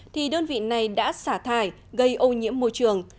thì đơn vị này đã xả thải gây ô nhiễm môi trường